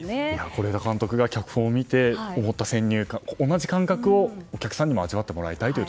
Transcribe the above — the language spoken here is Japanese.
是枝監督が脚本を見て思った先入観と同じ感覚をお客さんにも味わってもらいたいと。